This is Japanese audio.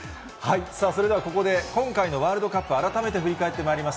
それではここで、今回のワールドカップ、改めて振り返ってまいります。